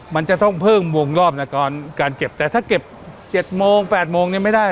มันจะต้องเพิ่มวงรอบในการเก็บแต่ถ้าเก็บ๗โมง๘โมงเนี่ยไม่ได้